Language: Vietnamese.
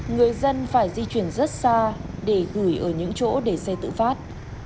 người dân phải di chuyển rất xa để gửi ở những chỗ để xe tự phát